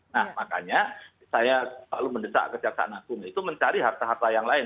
nah makanya saya selalu mendesak ke jaksa nasional itu mencari harta harta yang lain